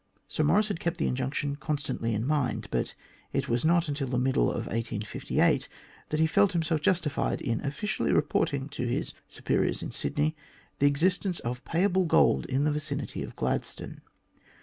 Sir Maurice had kept the injunc tion constantly in mind, but it was not until the middle of 1858 that he felt himself justified in officially reporting to his superiors in Sydney the existence of payable gold in the vicinity of Gladstone.